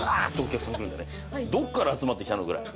どっから集まって来たの？ぐらい。